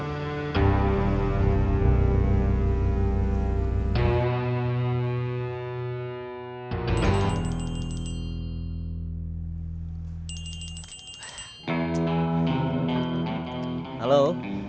bikin macet bandung